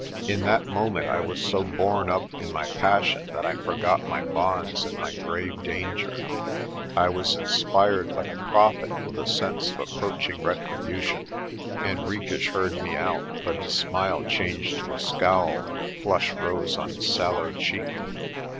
In that moment I was so borne up in my passion that I for got my bonds and my grave danger. I was inspired like a ARCOLL SENDS A MESSAGE 157 prophet with a sense of approaching retribution. Henriques heard me out; but his smile changed to a scowl, and a flush rose on his sallow cheek.